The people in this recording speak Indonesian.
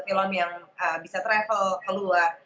film yang bisa travel ke luar